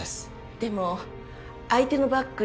でも相手のバックに